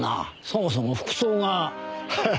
そもそも服装が。